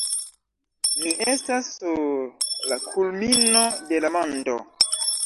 Mi estas sur la kulmino de la mondo